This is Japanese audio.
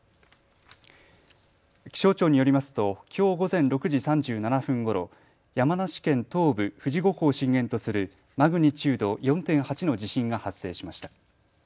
気象庁によりますときょう午前６時３７分ごろ山梨県東部、富士五湖を震源とするマグニチュード４．８の地震が発生しました。